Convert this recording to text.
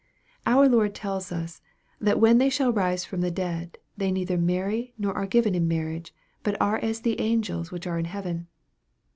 Our Lord tells us, that " when they shall rise from the dead, they neither marry, nor are given in marriage ; but are as the angels which are in heaven."